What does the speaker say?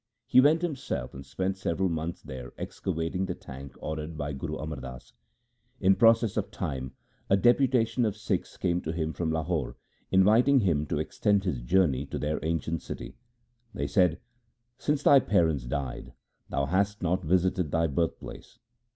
He went himself and spent several months there excavating the tank ordered by Guru Amar Das. In process of time a deputa tion of Sikhs came to him from Lahore inviting him to extend his journey to their ancient city. They said, ' Since thy parents died, thou hast not visited thy birth place.